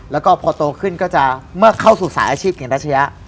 แล้วก็พอโตขึ้นก็จะเมื่อเข้าสู่สายอาชีพของรัชยะ